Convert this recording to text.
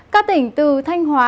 các tỉnh từ thanh hóa